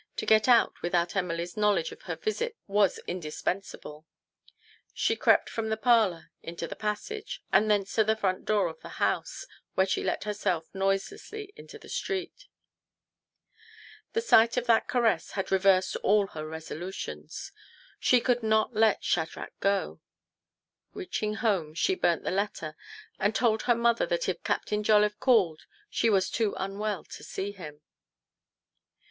To get out without Emily's knowledge of her visit was indispensable. She crept from the parlour into the passage, and thence to the front door of the house, w T here she let herself noiselessly into the street. The sight of that caress had reversed all her resolutions. She could not let Shadrach go. Reaching home, she burnt the letter, and told her mother that if Captain Jolliffe called she was too unwell to see him.